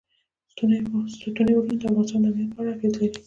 ستوني غرونه د افغانستان د امنیت په اړه هم اغېز لري.